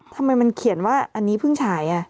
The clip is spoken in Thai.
ทำไมมันเขียนว่าอันนี้เพิ่งฉาย